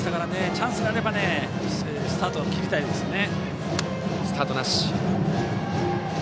チャンスがあればスタートを切りたいですね。